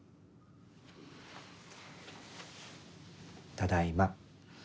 ただいま。